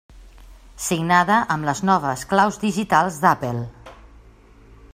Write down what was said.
Signada amb les noves claus digitals d'Apple.